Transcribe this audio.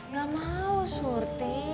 gak mau surti